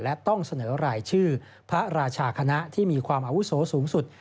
และต้องเสนอรายชื่อพระราชาคณะที่มีความอาวุโสสูงสุด